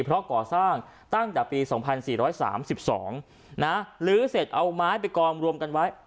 เพราะก่อสร้างตั้งแต่ปี๒๔๓๒ลื้อเสร็จเอาไม้ไปกองรวมกันไว้